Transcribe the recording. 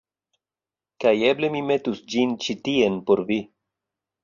kaj eble mi metus ĝin ĉi tien por vi.